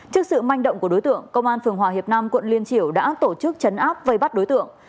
trước sự manh động của đối tượng công an phường hòa hiệp nam quận liên triểu đã tổ chức chấn áp vây bắt đối tượng